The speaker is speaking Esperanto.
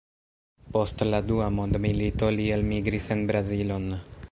Post la dua mondmilito li elmigris en Brazilon.